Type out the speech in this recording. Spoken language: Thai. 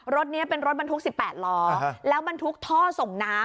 รถนี้เป็นรถบรรทุก๑๘ล้อแล้วบรรทุกท่อส่งน้ำ